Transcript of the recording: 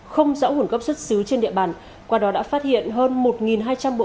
không rõ nguồn gốc xuất xứ trên địa bàn qua đó đã phát hiện hơn một hai trăm linh bộ